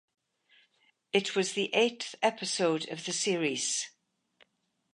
It was the eighth episode of the series.